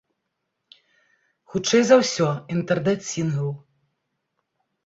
Хутчэй за ўсё, інтэрнэт-сінгл.